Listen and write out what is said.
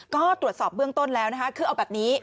ก็ตรวจสอบเบื้องต้นแล้วนะคะคือเอาแบบนี้